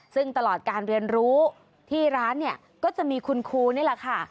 ซึ่งตลอดการเรียนรู้ที่ร้านเนี่ยก็จะมีคุณครูนี่แหละค่ะ